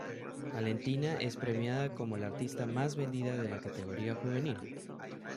Valentina es premiada como la artista más vendida de la categoría Juvenil.